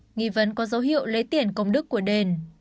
nghi vấn có dấu hiệu lấy tiền công đức của đền